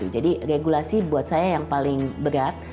jadi regulasi buat saya yang paling berat